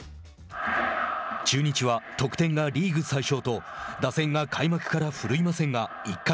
中日は得点がリーグ最少と打線が開幕から奮いませんが１回。